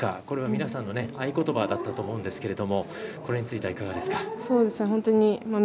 これは皆さんの合言葉だったと思うんですけどこれについてはいかがですか？